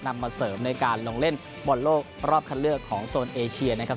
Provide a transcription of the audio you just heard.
นำมาเสริมในการลงเล่นบอลโลกรอบคันเลือกของโซนเอเชียนะครับ